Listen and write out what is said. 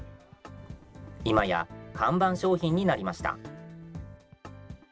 いまや看板商品になりました。